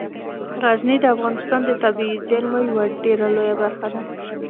غزني د افغانستان د طبیعي زیرمو یوه ډیره لویه برخه ده.